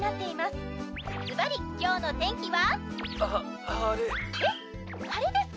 すばりきょうの天気は？ははれ。え？